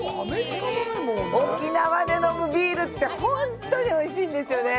沖縄で飲むビールっておいしいんですよね！